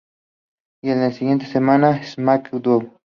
Y la siguiente semana en Smackdown!